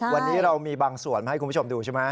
วันนี้เรามีบางส่วนมาให้คุณผู้ชมดูใช่ไหม